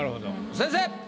先生！